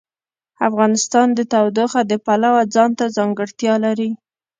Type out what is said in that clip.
افغانستان د تودوخه د پلوه ځانته ځانګړتیا لري.